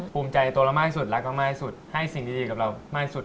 ภูมิใจตัวเรามากที่สุดรักเรามากที่สุดให้สิ่งดีกับเรามากสุด